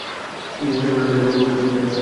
নিজের জমানো টাকা এইভাবে উড়াছেন কেন, স্যার!